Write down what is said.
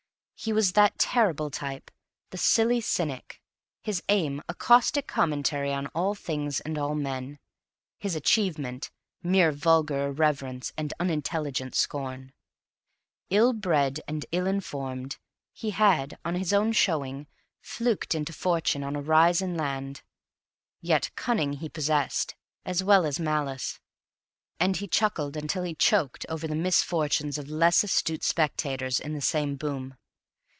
He was that terrible type, the Silly Cynic, his aim a caustic commentary on all things and all men, his achievement mere vulgar irreverence and unintelligent scorn. Ill bred and ill informed, he had (on his own showing) fluked into fortune on a rise in land; yet cunning he possessed, as well as malice, and he chuckled till he choked over the misfortunes of less astute speculators in the same boom.